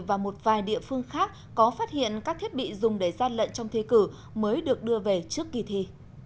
và một vài địa phương khác có phát hiện các thiết bị dùng để gian lận trong thi cử mới được đưa về trước kỳ thi